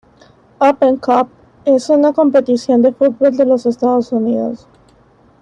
Open Cup es una competición de fútbol de los Estados Unidos.